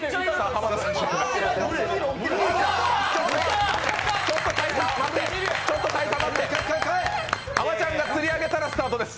濱ちゃんが釣り上げたらスタートです。